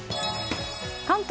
関東